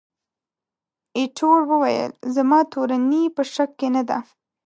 ایټور وویل، زما تورني په شک کې نه ده.